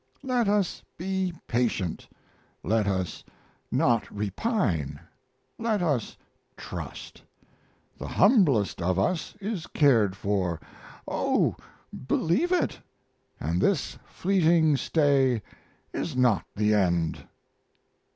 Let us be patient, let us not repine, let us trust. The humblest of us is cared for oh, believe it! and this fleeting stay is not the end!"